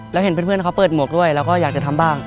แล้วเห็นเพื่อนเขาเปิดหมวกด้วยเราก็อยากจะทำบ้าง